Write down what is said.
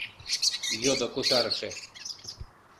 — йодо кусарыше.